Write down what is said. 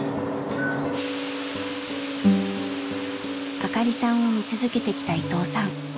明香里さんを見続けてきた伊藤さん。